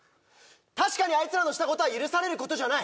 確かにあいつらのしたことは許されることじゃない！